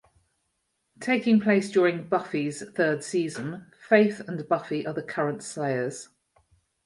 Taking place during "Buffy"'s third season, Faith and Buffy are the current Slayers.